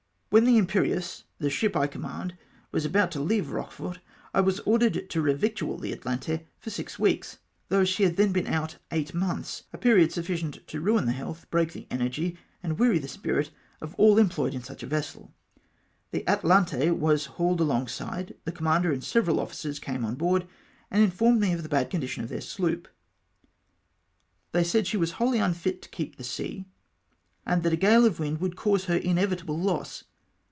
When the ImpSrieuse, the ship I command, was about to leave Eochefort, I was ordered to revictual the Atalante for six weeks, though she had then been out eight months— a period sufficient to ruin the health, break the energy, and weary the spirit of all employed in such a vessel. The Atalante was hauled alongside, the commander and several officers came on board, and informed me of the bad condition of their sloop. They said she was wholly unfit to keep the sea, and that a gale of wind would cause her inevitable loss.